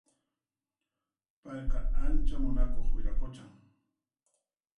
Payqa ancha munakuq wiraquchan